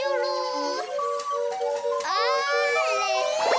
あれ！